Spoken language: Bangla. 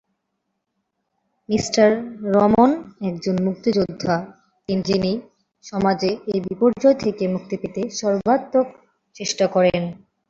মিঃ রমন একজন মুক্তিযোদ্ধা, যিনি সমাজে এই বিপর্যয় থেকে মুক্তি পেতে সর্বাত্মক চেষ্টা করেন।